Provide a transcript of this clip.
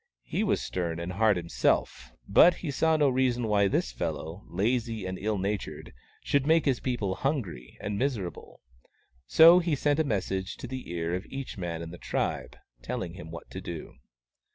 He was stern and hard himself, but he saw no reason why this fellow, lazy and ill natured, should make his people hungry and miser able. So he sent a message to the ear of each man in the tribe, telling him what to do.